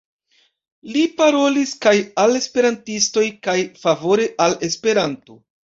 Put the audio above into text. Li parolis kaj al Esperantistoj kaj favore al Esperanto.